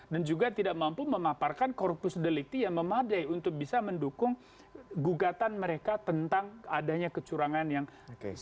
dan juga tidak mampu memaparkan corpus delicti yang memadai untuk bisa mendukung gugatan mereka tentang adanya kecurangan yang sistematis